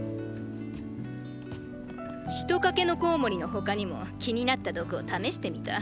ヒトカケノコウモリの他にも気になった毒を試してみた。